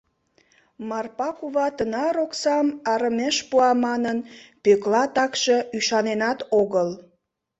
Марпа кува тынар оксам арымеш пуа манын, Пӧкла такше ӱшаненат огыл.